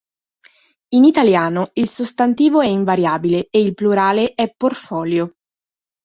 In italiano il sostantivo è invariabile e il plurale è "portfolio".